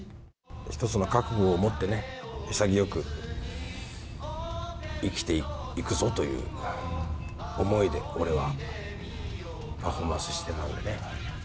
一つの覚悟を持ってね、潔く生きていくぞという思いで、俺はパフォーマンスしてたんだね。